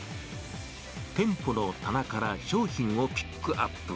店舗の棚から商品をピックアップ。